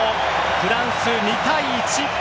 フランス、２対１。